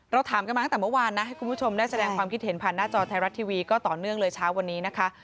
ถามกันมาตั้งแต่เมื่อวานนะให้คุณผู้ชมได้แสดงความคิดเห็นผ่านหน้าจอไทยรัฐทีวีก็ต่อเนื่องเลยเช้าวันนี้นะคะ